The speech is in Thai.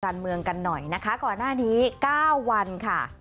การเมืองกันหน่อยนะคะก่อนหน้านี้๙วันค่ะ